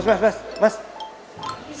saya udah perlu surat